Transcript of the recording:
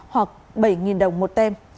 hoặc bảy đồng một tem